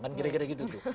kan gini gini gitu tuh